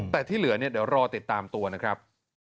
แต่ที่เหลือเนี่ยเดี๋ยวรอติดตามตัวนะครับ